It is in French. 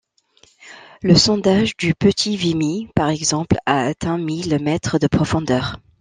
Le sondage du Petit Vimy, par exemple, a atteint mille mètres de profondeur.